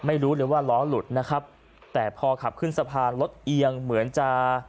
ไม่รู้เลยว่าล้อหลุดนะครับแต่พอขับขึ้นสะพานรถเอียงเหมือนจะ